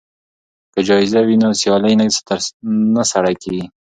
که جایزه وي نو سیالي نه سړه کیږي.